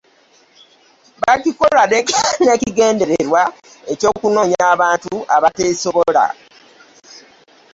Bakikola n'ekigendererwa ky'okunoonya abantu abateesobola